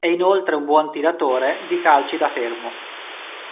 È inoltre un buon tiratore di calci da fermo.